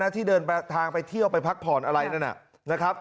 ที่เดินทางไปเที่ยวไปพักผ่อนอะไรนั่นนะครับ